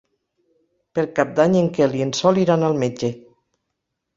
Per Cap d'Any en Quel i en Sol iran al metge.